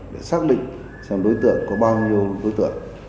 để xác định xem đối tượng có bao nhiêu đối tượng